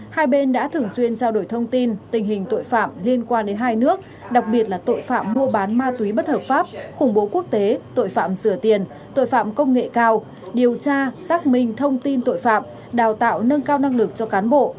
hai bên đã thường xuyên trao đổi thông tin tình hình tội phạm liên quan đến hai nước đặc biệt là tội phạm mua bán ma túy bất hợp pháp khủng bố quốc tế tội phạm sửa tiền tội phạm công nghệ cao điều tra xác minh thông tin tội phạm đào tạo nâng cao năng lực cho cán bộ